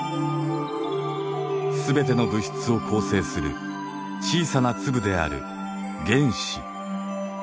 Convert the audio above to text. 全ての物質を構成する小さな粒である原子。